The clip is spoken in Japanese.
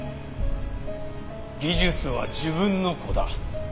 技術は自分の子だ。